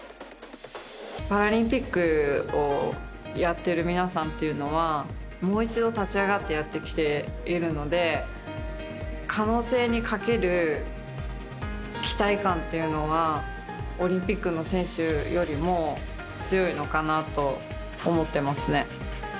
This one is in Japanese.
パラリンピックをやっている皆さんというのはもう一度、立ち上がってやってきているので可能性にかける期待感というのはオリンピックの選手よりも強いのかなと思っていますね。